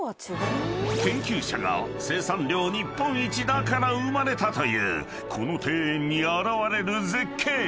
［研究者が「生産量日本一だから生まれた」というこの庭園に現れる絶景］